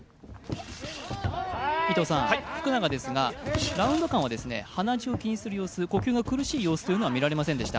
福永ですがラウンド間は鼻血を気にする様子、呼吸が苦しい様子は見られませんでした。